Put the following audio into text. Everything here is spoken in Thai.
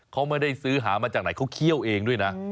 เขาไม่ได้ซื้อหามาจากไหนเขาเคี่ยวเองด้วยนะ